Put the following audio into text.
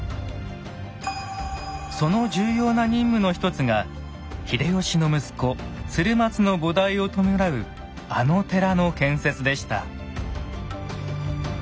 その重要な任務の一つが秀吉の息子・鶴松の菩提を弔うあの寺の建設でした。